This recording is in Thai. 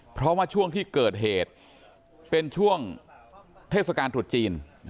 เพราะว่าช่วงที่เกิดเหตุเป็นช่วงเทศกาลตรุษจีน